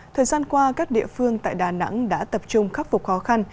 thời gian qua các địa phương tại đà nẵng đã tập trung khắc phục khó khăn